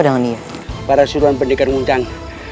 dengan dia para suruhan pendekar undang